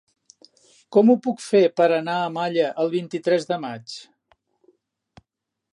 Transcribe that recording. Com ho puc fer per anar a Malla el vint-i-tres de maig?